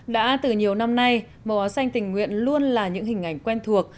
đã từ nhiều năm nay màu áo xanh tình nguyện luôn là những hình ảnh quen thuộc